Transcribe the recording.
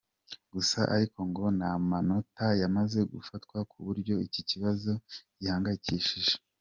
Gusa ariko, ngo n’amato yamaze gufatwa ku buryo iki kibazo gihangayikishije.